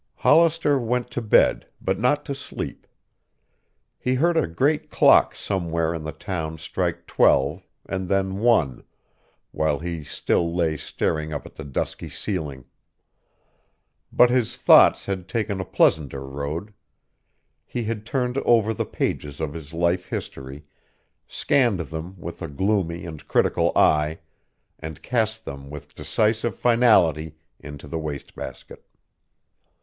Hollister went to bed, but not to sleep. He heard a great clock somewhere in the town strike twelve and then one, while he still lay staring up at the dusky ceiling. But his thoughts had taken a pleasanter road. He had turned over the pages of his life history, scanned them with a gloomy and critical eye, and cast them with decisive finality into the waste basket.